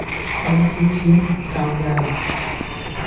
咁少錢唔夠架